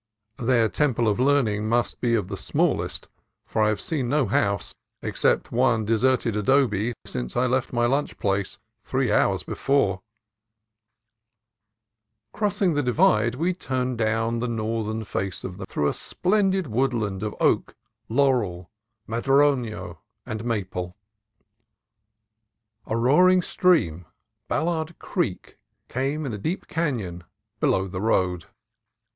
Their temple of learning must be of the smallest, for I had seen no house except one deserted adobe since I left my lunch place, three hours before. A LAND OF GREAT OAKS 97 Crossing the divide, we turned down the northern face of the mountain through a splendid woodland of oak, laurel, madrono, and maple. A roaring stream, Ballard Creek, ran in a deep canon below the road.